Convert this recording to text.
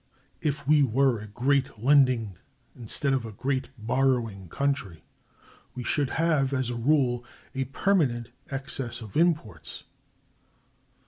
If we were a great lending instead of a great borrowing country, we should have, as a rule, a permanent excess of imports.